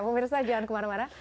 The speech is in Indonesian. pemirsa jangan kemana mana